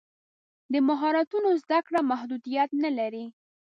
د مهارتونو زده کړه محدودیت نه لري.